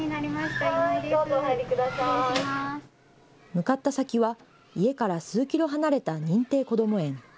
向かった先は家から数キロ離れた認定こども園。